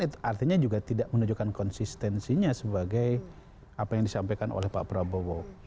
itu artinya juga tidak menunjukkan konsistensinya sebagai apa yang disampaikan oleh pak prabowo